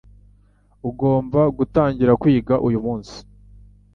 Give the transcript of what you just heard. Ugomba gutangira kwiga uyu munsi